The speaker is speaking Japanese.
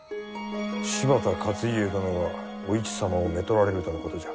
柴田勝家殿がお市様をめとられるとのことじゃ。